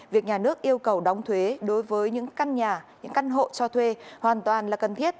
việc nhà nước yêu cầu đóng thuế đối với những căn nhà những căn hộ cho thuê hoàn toàn là cần thiết